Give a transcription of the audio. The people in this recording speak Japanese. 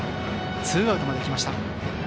ツーアウトまでいきました。